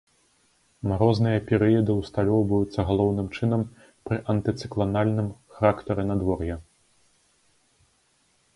Марозныя перыяды ўсталёўваюцца галоўным чынам пры антыцыкланальным характары надвор'я.